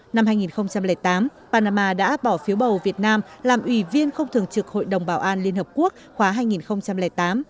năm hai nghìn tám panama đã bỏ phiếu bầu việt nam làm ủy viên không thường trực hội đồng bảo an liên hợp quốc khóa hai nghìn tám